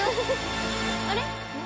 あれ？